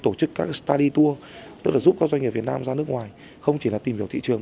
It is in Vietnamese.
tổ chức các study tour tức là giúp các doanh nghiệp việt nam ra nước ngoài không chỉ là tìm hiểu thị trường